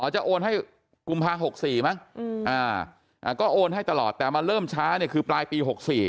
จะโอนให้กุมภา๖๔มั้งก็โอนให้ตลอดแต่มาเริ่มช้าเนี่ยคือปลายปี๖๔